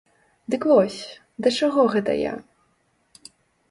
Дык вось, да чаго гэта я?